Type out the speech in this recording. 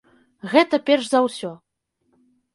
Гэта перш за ўсё.